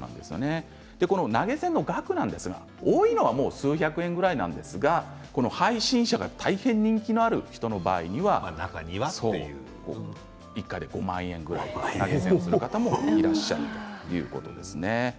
投げ銭の額なんですが多いものは数百円ぐらいなんですが配信者が大変人気がある人の場合には１回で５万円ぐらいという方もいらっしゃいます。